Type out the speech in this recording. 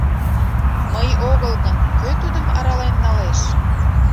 Мый огыл гын, кӧ тудым арален налеш?